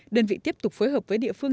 đơn vị tiếp tục phối hợp với địa phương